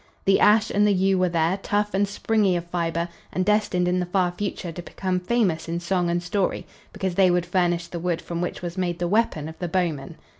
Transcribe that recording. The ash and the yew were there, tough and springy of fiber and destined in the far future to become famous in song and story, because they would furnish the wood from which was made the weapon of the bowman.